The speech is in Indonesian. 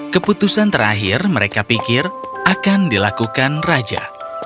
keputusan terakhir mereka pikir akan dilakukan raja